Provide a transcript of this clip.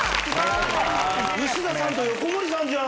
臼田さんと横森さんじゃん。